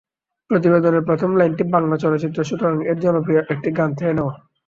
প্রতিবেদনের প্রথম লাইনটি বাংলা চলচ্চিত্র সুতরাং-এর জনপ্রিয় একটি গান থেকে নেওয়া।